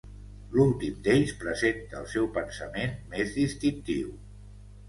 L'últim d'ells presenta el seu pensament més distintiu.